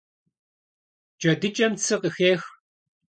ДжэдыкӀэм цы къыхех.